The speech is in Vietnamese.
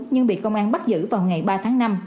nhưng bị công an bắt giữ vào ngày ba tháng năm